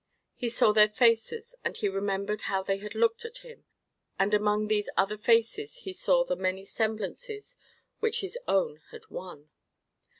He saw their faces, and he remembered how they had looked at him; and among these other faces he saw the many semblances which his own had worn.